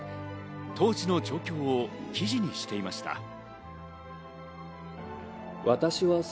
当時の状況を記事にしていました。